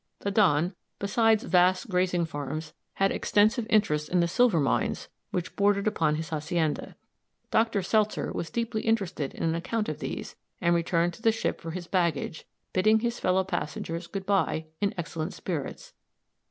The Don, besides vast grazing farms, had extensive interests in the silver mines which bordered upon his hacienda. Doctor Seltzer was deeply interested in an account of these, and returned to the ship for his baggage, bidding his fellow passengers good by, in excellent spirits.